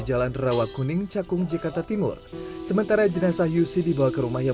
kawasan rawa kuning cakung jakarta timur sementara jenazah yusi dibawa ke rumah yang